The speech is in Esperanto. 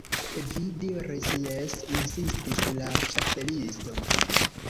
"Vi diris 'jes'" insistis la Ĉapelisto.